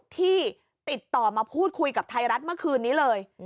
ที่ติดต่อมาพูดคุยกับไทยรัฐเมื่อคืนนี้เลย